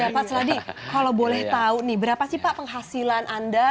pak sladi kalau boleh tahu nih berapa sih pak penghasilan anda